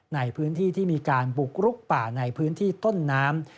ในพื้นที่ที่มีการบุกรุกป่าในพื้นที่ต้นน้ำ